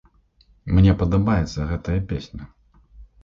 Мне падабаецца гэтая песня!